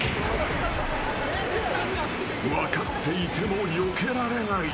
分かっていてもよけられない。